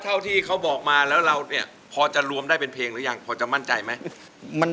เท่าที่เขาบอกมาแล้วเราเนี่ยพอจะรวมได้เป็นเพลงหรือยังพอจะมั่นใจไหม